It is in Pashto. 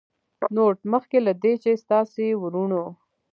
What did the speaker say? نوټ: مخکې له دې چې ستاسې وروڼو